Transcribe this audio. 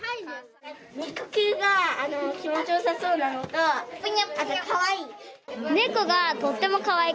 肉球が気持ちよさそうなのがかわいい。